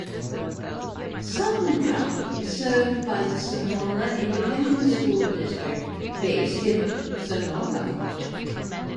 Sutton County is served by the Sonora Independent School District based in Sonora.